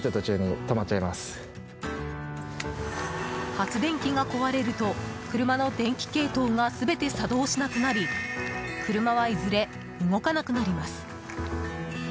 発電機が壊れると車の電気系統が全て作動しなくなり車はいずれ動かなくなります。